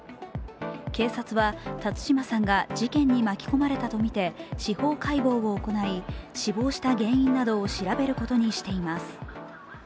警察は辰島さんが事件に巻き込まれたとみて死亡解剖を行い死亡した原因などを調べることにしています。